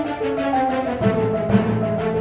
pasti dia senang banget